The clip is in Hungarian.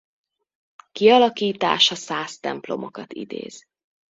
Kialakítása szász templomokat idéz.